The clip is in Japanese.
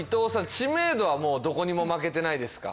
知名度はもうどこにも負けてないですか？